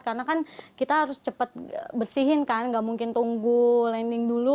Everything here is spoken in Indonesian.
karena kan kita harus cepat bersihin kan gak mungkin tunggu landing dulu